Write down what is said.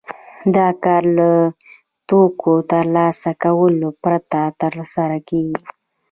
دا کار له توکو ترلاسه کولو پرته ترسره کېږي